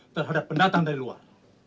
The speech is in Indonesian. terhadap pendatang dari luar